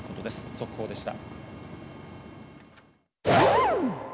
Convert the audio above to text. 速報でした。